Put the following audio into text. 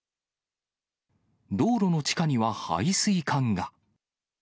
道路の地下には配水管が。